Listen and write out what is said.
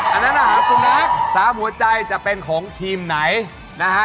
อันนั้นอาหารสุนัข๓หัวใจจะเป็นของทีมไหนนะฮะ